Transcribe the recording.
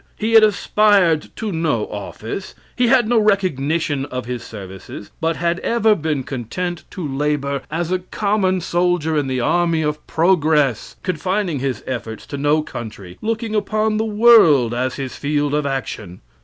He had aspired to no office. He had no recognition of his services, but had ever been content to labor as a common soldier in the army of progress, confining his efforts to no country, looking upon the world as his field of action.